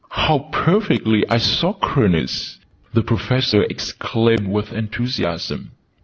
"How perfectly isochronous!" the Professor exclaimed with enthusiasm.